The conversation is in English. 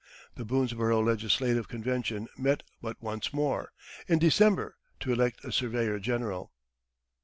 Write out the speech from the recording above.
The Boonesborough legislative convention met but once more in December, to elect a surveyor general.